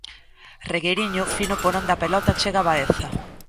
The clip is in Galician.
Regueriño fino por onde a pelota chega a Baeza.